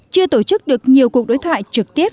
chưa tổ chức được nhiều cuộc đối thoại trực tiếp